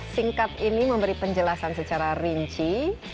singkat ini memberi penjelasan secara rinci